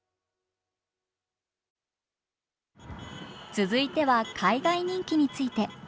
続いては海外人気について。